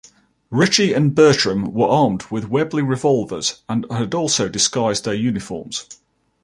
Ritchie and Bertram were armed with Webley revolvers and had also disguised their uniforms.